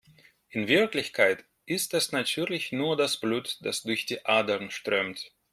In Wirklichkeit ist es natürlich nur das Blut, das durch die Adern strömt.